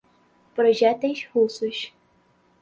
projéteis russos